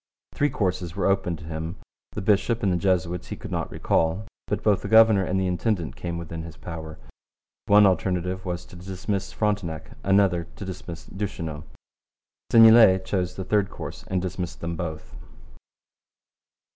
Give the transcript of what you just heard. Three courses were open to him. The bishop and the Jesuits he could not recall. But both the governor and the intendant came within his power. One alternative was to dismiss Frontenac; another, to dismiss Duchesneau. Seignelay chose the third course and dismissed them both.